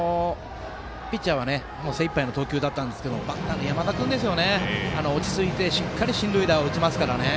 ピッチャーは精いっぱいの投球でしたがバッターの山田君が落ち着いてしっかり進塁打を打ちますからね。